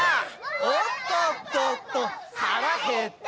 「おっとっとっと腹減った」